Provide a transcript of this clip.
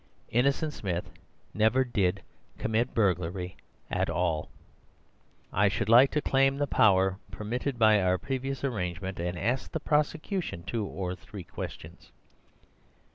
Innocent Smith never did commit burglary at all. "I should like to claim the power permitted by our previous arrangement, and ask the prosecution two or three questions."